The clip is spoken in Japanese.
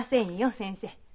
先生。